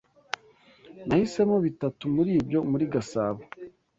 Nahisemo bitatu muri byo muri Gasabo.